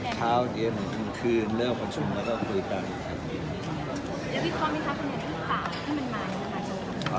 เช้าเย็นคืนคืนเริ่มประชุมแล้วก็คุยกัน